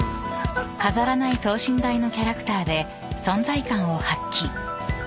［飾らない等身大のキャラクターで存在感を発揮］